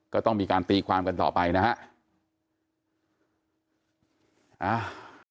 ก็ต้องมีการตีความกันต่อไปนะฮะ